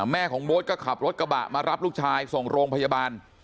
แม่ของโบ๊ทก็ขับรถกระบะมารับลูกชายส่งโรงพยาบาล